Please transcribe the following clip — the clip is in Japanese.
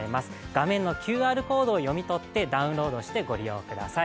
画面のＱＲコードを読み取ってダウンロードしてください。